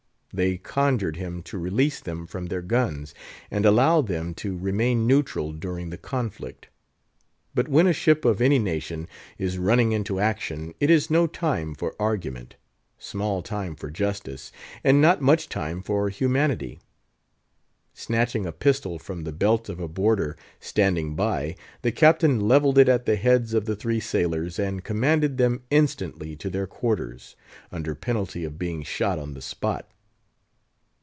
They conjured him to release them from their guns, and allow them to remain neutral during the conflict. But when a ship of any nation is running into action, it is no time for argument, small time for justice, and not much time for humanity. Snatching a pistol from the belt of a boarder standing by, the Captain levelled it at the heads of the three sailors, and commanded them instantly to their quarters, under penalty of being shot on the spot.